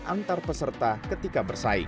antar peserta ketika bersaing